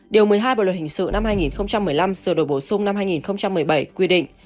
điều một mươi hai bộ luật hình sự năm hai nghìn một mươi năm sửa đổi bổ sung năm hai nghìn một mươi bảy quy định